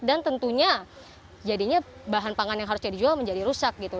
dan tentunya jadinya bahan pangan yang harusnya dijual menjadi rusak